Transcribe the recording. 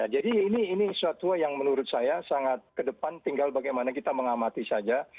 jadi ini sesuatu yang menurut saya sangat ke depan tinggal bagaimana kita mengamati saja